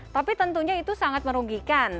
tapi tentunya itu sangat merugikan